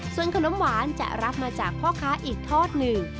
ส่วนขนมหวานจะรับมาจากพ่อค้าอีกทอดหนึ่ง